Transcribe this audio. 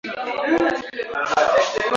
Tembea karibu nami nikuone vizuri